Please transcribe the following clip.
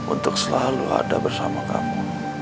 untuk selalu ada bersama kamu